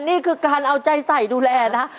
นี่คือการเอาใจใส่ดูแลนะ